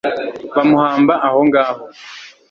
bamuhamba aho ngaho